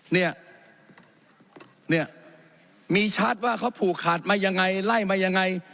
เนี่ยเนี่ยมีชัดว่าเขาผูกขาดมายังไงไล่มายังไง